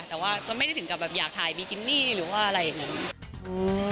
แต่ว่าก็ไม่ได้ถึงกับแบบอยากถ่ายบิกินี่หรือว่าอะไรอย่างนี้